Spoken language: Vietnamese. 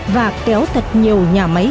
và kéo thật nhiều nhà máy